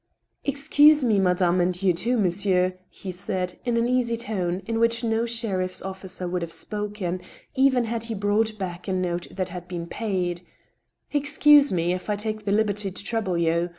" Excuse me, madame, and you, too, monsieur," he said, in an easy tone, in which no sheriff's officer would have spoken, even had he brought back a note that had been paid —" excuse me, if I take the liberty to trouble you.